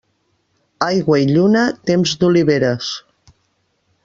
Aigua i lluna, temps d'oliveres.